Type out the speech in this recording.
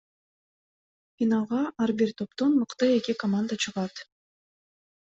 Финалга ар бир топтон мыкты эки команда чыгат.